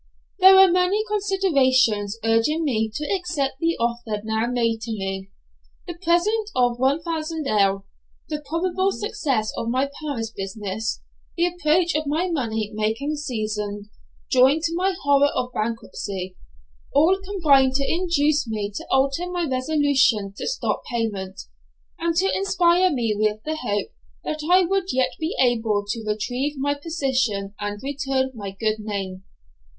There were many considerations urging me to accept the offer now made to me. The present of 1000_l._, the probable success of my Paris business, the approach of my money making season, joined to my horror of bankruptcy, all combined to induce me to alter my resolution to stop payment, and to inspire me with the hope that I would yet be able to retrieve my position and retain my good name.